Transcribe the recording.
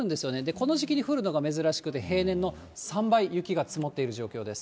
この時期に降るのが珍しくて、平年の３倍雪が積もっている状況です。